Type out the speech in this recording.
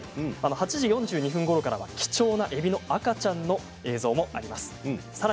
８時４２分ごろからは貴重なえびの赤ちゃんの映像もあります。